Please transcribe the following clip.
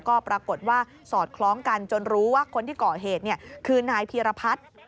ก็ปรากฏว่าสอดคล้องกันจนรู้ว่าคนที่ก่อเหตุคือนายพีรพัฒน์